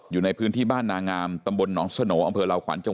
อยู่ในพื้นที่บ้านนางามตำบลนสนอลาวขวัญ